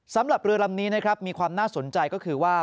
สำหรับเรือลำนี้นะครับมีความน่าสนใจก็คือว่า